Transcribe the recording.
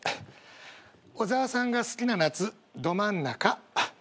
小沢さんが好きな夏ど真ん中。